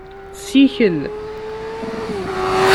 Sikel.